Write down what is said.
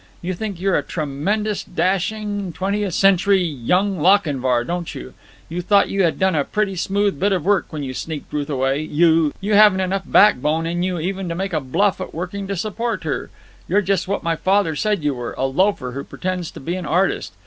You think you're a tremendous dashing twentieth century Young Lochinvar, don't you? You thought you had done a pretty smooth bit of work when you sneaked Ruth away! You! You haven't enough backbone in you even to make a bluff at working to support her. You're just what my father said you were—a loafer who pretends to be an artist.